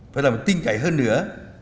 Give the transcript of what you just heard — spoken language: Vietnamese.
phải làm tin chạy hơn nữa